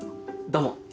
どうも。